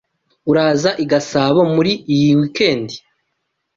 Uraza i Gasabo muri iyi weekend?